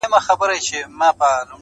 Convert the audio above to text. یا سېلابونه یا زلزلې دي -